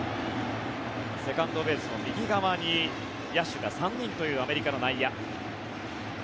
セカンドベースの右側に野手が３人というアメリカの内野。